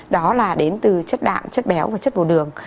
đó là đến từ chất đạm chất béo và chất bồ đường